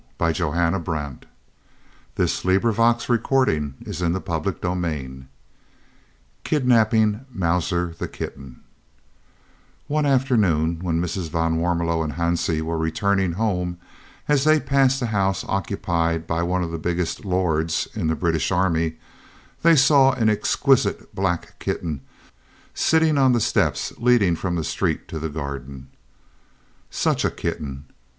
"Let us go home and tell the mother all about it, Carlo mine." CHAPTER XXXII KIDNAPPING MAUSER THE KITTEN One afternoon when Mrs. van Warmelo and Hansie were returning home, as they passed the house occupied by one of the biggest "lords" in the British Army, they saw an exquisite black kitten sitting on the steps leading from the street to the garden. Such a kitten!